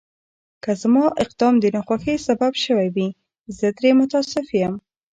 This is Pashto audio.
که زما اقدام د ناخوښۍ سبب شوی وي، زه ترې متأسف یم.